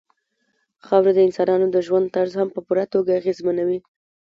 خاوره د افغانانو د ژوند طرز هم په پوره توګه اغېزمنوي.